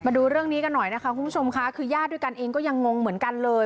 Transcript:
ดูเรื่องนี้กันหน่อยนะคะคุณผู้ชมค่ะคือญาติด้วยกันเองก็ยังงงเหมือนกันเลย